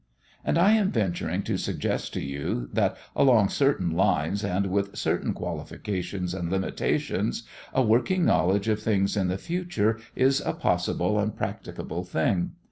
And I am venturing to suggest to you that along certain lines and with certain qualifications and limitations a working knowledge of things in the future is a possible and practicable thing.